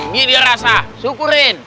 gini dia rasa syukurin